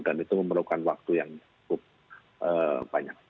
dan itu memerlukan waktu yang cukup banyak